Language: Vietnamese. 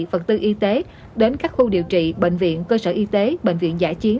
phần tư y tế đến các khu điều trị bệnh viện cơ sở y tế bệnh viện giải chiến